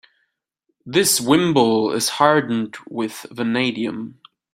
This wimble is hardened with vanadium.